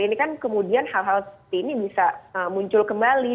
ini kan kemudian hal hal seperti ini bisa muncul kembali